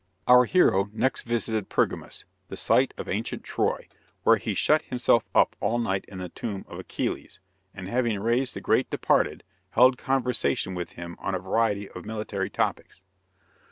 Our hero next visited Pergamus, the site of ancient Troy, where he shut himself up all night in the tomb of Achilles; and having raised the great departed, held conversation with him on a variety of military topics.